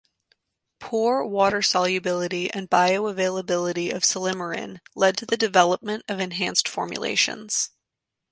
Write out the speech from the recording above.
Poor water solubility and bioavailability of silymarin led to the development of enhanced formulations.